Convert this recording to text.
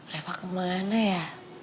refah kemana ya